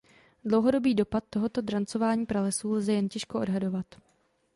Dlouhodobý dopad tohoto drancování pralesů lze jen těžko odhadovat.